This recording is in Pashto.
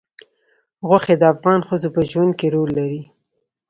غوښې د افغان ښځو په ژوند کې رول لري.